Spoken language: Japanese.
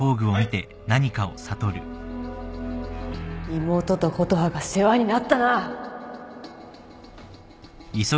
妹と琴葉が世話になったな